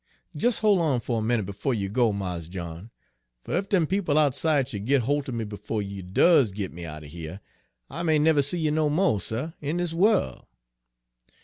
"Jes' hol' on a minute befo' you go, Mars John; fer ef dem people outside should git holt er me befo' you does git me out er here, I may never see you no mo', suh, in dis worl'.